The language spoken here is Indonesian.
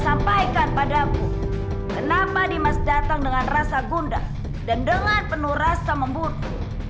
sampaikan padaku kenapa dimas datang dengan rasa gunda dan dengan penuh rasa membunuh